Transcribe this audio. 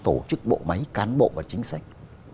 tổ chức bộ máy cán bộ và chính sách